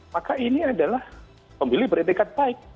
maka ini adalah pembeli berindah baik